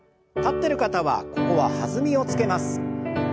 立ってる方はここは弾みをつけます。